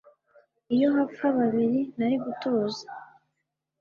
iyo hapfa babiri nari gutuza